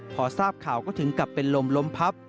พอทราบข่าวก็ถึงกลับเป็นลมล้มพับ